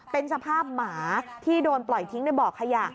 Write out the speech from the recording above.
เป็นสภาพหมาที่โดนปล่อยทิ้งในบ่อขยะ